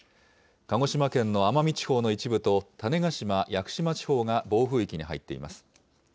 鹿児島県の奄美地方の一部と、種子島・屋久島地方が暴風域に入っています。